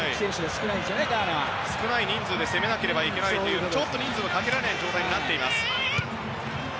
少ない人数で攻めなければならない人数をかけられない状態になっています。